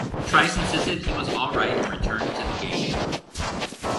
Trice insisted he was all right and returned to the game.